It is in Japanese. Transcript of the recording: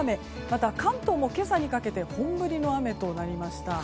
また、関東も今朝にかけて本降りの雨となりました。